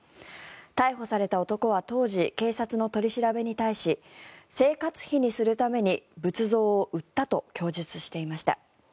逮捕された男は当時、警察の取り調べに対し生活費にするために仏像を売ったと供述していました。